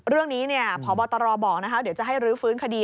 เรื่องนี้พบตรบอกนะคะเดี๋ยวจะให้รื้อฟื้นคดี